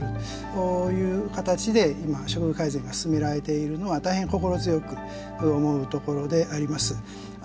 こういう形で今処遇改善が進められているのは大変心強く思うところであります。